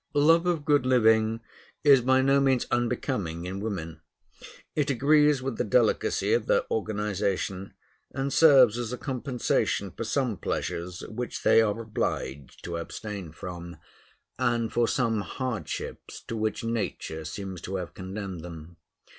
Love of good living is by no means unbecoming in women. It agrees with the delicacy of their organization, and serves as a compensation for some pleasures which they are obliged to abstain from, and for some hardships to which nature seems to have condemned them.